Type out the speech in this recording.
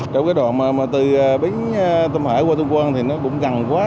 trong cái đoạn mà từ bến tâm hỡi qua tân quân thì nó cũng gần quá